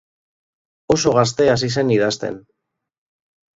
Oso gazte hasi zen idazten.